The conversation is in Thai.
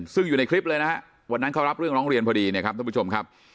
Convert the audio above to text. ซึ่งอยู่ในคลิปเลยนะฮะวันนั้นเขารับเรื่องร้องเรียนพอดีเนี่ยครับท่านผู้ชมครับ